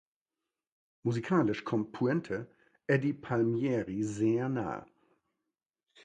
Musikalisch kommt Puente Eddie Palmieri sehr nah.